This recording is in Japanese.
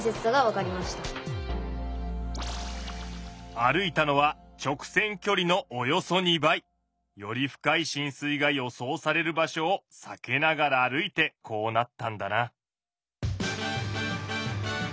歩いたのは直線きょりのおよそ２倍。より深いしん水が予想される場所を避けながら歩いてこうなったんだな。